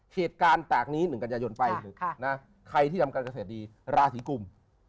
เกตการณ์แตกนี้หนึ่งกันยาโยนไปอีกนึงนะครับใครที่ทำการเกษตรดีราศรีกุ่ม